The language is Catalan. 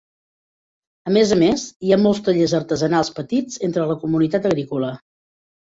A més a més, hi ha molts tallers artesanals petits entre la comunitat agrícola.